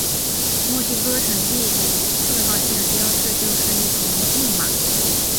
墨西哥城地铁四号线的标志就是一头猛犸。